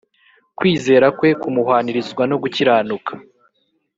kwizera kwe kumuhwanirizwa no gukiranuka